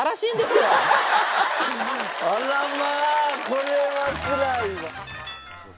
これはつらいわ。